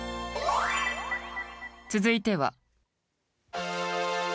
続いては。